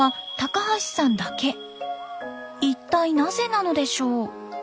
一体なぜなのでしょう？